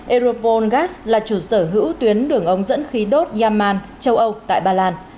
europol gas là chủ sở hữu tuyến đường ống dẫn khí đốt yaman châu âu tại baland